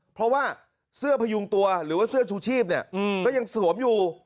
เพราะว่าเสื้อพยุงตัวหรือว่าเสื้อชูชีพเนี่ยก็ยังสวมอยู่